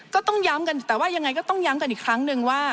ก็ต้องย้ำกันแต่ว่ายังไงก็ต้องย้ำกันอีกครั้งนึงว่า